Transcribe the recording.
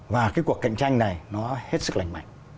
và cái cuộc cạnh tranh này nó hết sức lành mạnh